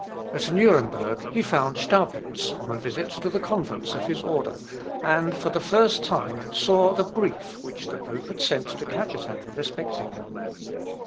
At Nuremberg, he found Staupitz on a visit to the convents of his order, and, for the first time saw the brief which the pope had sent to Cajetan respecting him.